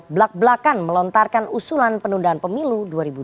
belak belakan melontarkan usulan penundaan pemilu dua ribu dua puluh